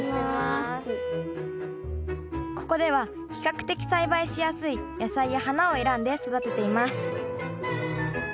ここでは比較的栽培しやすい野菜や花を選んで育てています。